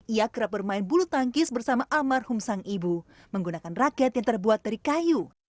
ia kerap bermain bulu tangkis bersama almarhum sang ibu menggunakan raket yang terbuat dari kayu